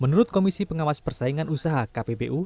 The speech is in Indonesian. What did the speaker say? menurut komisi pengawas persaingan usaha kpbu